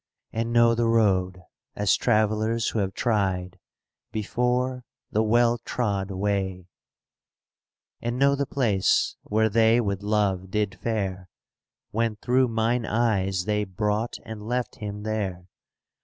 And know the road, as travellers who have tried, 20 Before, the well trod way; And know the place where they with Love did fare. When through mine eyes they brought and left him there.